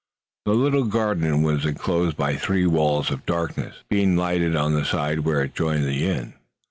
The little garden was enclosed by three walls of darkness, being lighted on the side where it joined the inn.